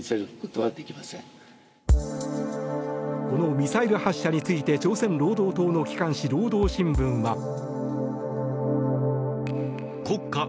このミサイル発射について朝鮮労働党の機関紙労働新聞は。